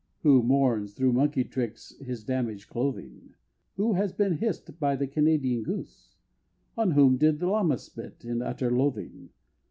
Who mourns through Monkey tricks his damaged clothing? Who has been hiss'd by the Canadian Goose? On whom did Llama spit in utter loathing?